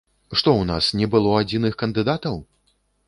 Што ў нас, не было адзіных кандыдатаў?